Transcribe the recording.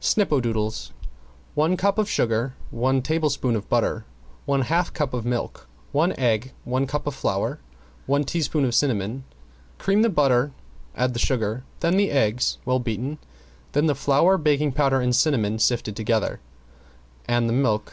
~SNIPPODOODLES~ One cup of sugar, one tablespoon of butter, one half cup of milk, one egg, one cup of flour, one teaspoon of cinnamon. Cream the butter, add the sugar, then the eggs well beaten, then the flour, baking powder and cinnamon, sifted together, and the milk.